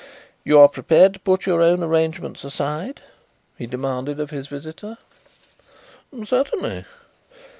"You are prepared to put your own arrangements aside?" he demanded of his visitor. "Certainly."